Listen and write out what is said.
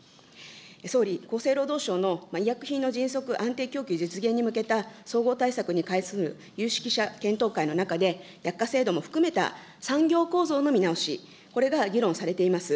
総理、厚生労働省の医薬品の迅速安定供給実現に向けた総合対策に対する有識者検討会の中で、薬価制度も含めた産業構造の見直し、これが議論されています。